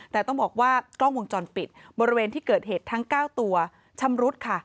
แต่ต้องบอกว่ากล้องวงจรปิดบริเวณที่เกิดเหตุทั้ง๙ตัวชำรุดค่ะ